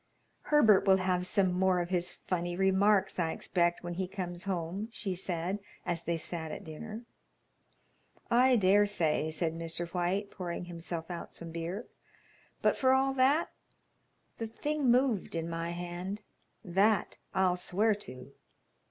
"Herbert will have some more of his funny remarks, I expect, when he comes home," she said, as they sat at dinner. "I dare say," said Mr. White, pouring himself out some beer; "but for all that, the thing moved in my hand; that I'll swear to."